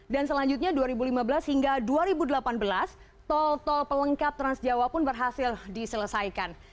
dan selanjutnya dua ribu lima belas hingga dua ribu delapan belas tol tol pelengkap trans jawa pun berhasil diselesaikan